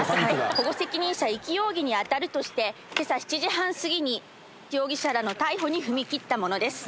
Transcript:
保護責任者遺棄容疑に当たるとして今朝７時半すぎに容疑者らの逮捕に踏み切ったものです。